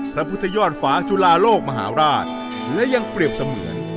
พระพุทธยอดฟ้าจุลาโลกมหาราชและยังเปรียบเสมือน